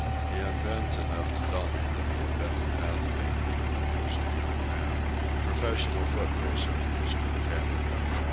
He unbent enough to tell me that he had been an athlete, when he was a young man, a professional foot racer in Eastern Canada.